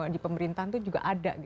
di pemerintahan itu juga ada